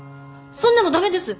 そんなの駄目です！